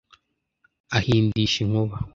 ahindisha inkuba